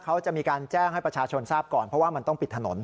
เขาจะมีการแจ้งให้ประชาชนทราบก่อนเพราะว่ามันต้องปิดถนน